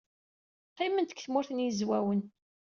Qqiment deg Tmurt n Yizwawen.